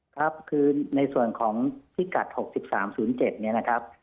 ครับคือในส่วนของพิกัด๖๓๐๗เนี่ยนะครับ